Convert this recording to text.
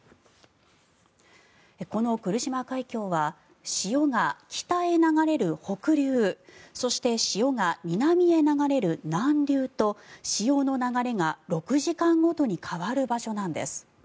この来島海峡は潮が北へ流れる北流そして、潮が南へ流れる南流と潮の流れが６時間ごとに変わる場所なんです。